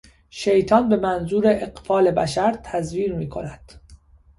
شیطان به منظور اغفال بشر تزویر میکند.